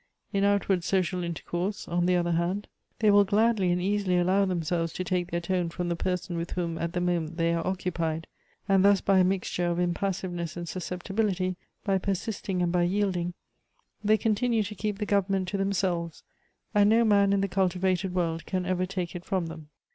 In out ward social intercourse, on the other hand, they will 214 Goethe's gladly and easily allow themselves to take their tone from the person with whom at the moment they are occupied; and thus by a mixture of impassiveness and susceptibility, by persisting and by yielding, they continue to keep the government to themselves, and no man in the cultivated world can ever take it from them.